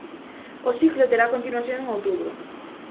O ciclo terá continuación en outubro.